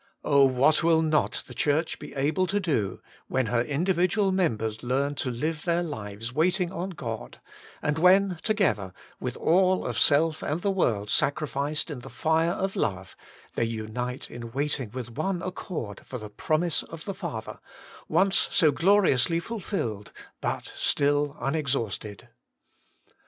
Oh ! what will not the Church be able to do when her individual members learn to live their lives waiting on God, and when together, with all of self and the world sacri ficed in the fire of love, they unite in waiting with one accord for the promise of the Father, once so gloriously fulfilled, but still unexhausted.